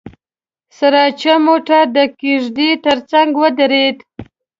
سراچه موټر د کېږدۍ تر څنګ ودرېد.